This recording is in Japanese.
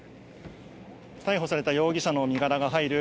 逮捕された容疑者の身柄が入る